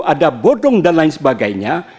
ada bodong dan lain sebagainya